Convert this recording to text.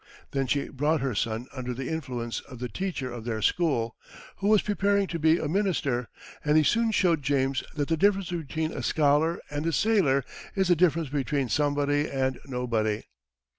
Then she brought her son under the influence of the teacher of their school, who was preparing to be a minister, and he soon showed James that the difference between a scholar and a sailor is the difference between somebody and nobody.